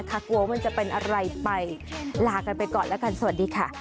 กลัวว่ามันจะเป็นอะไรไปลากันไปก่อนแล้วกันสวัสดีค่ะ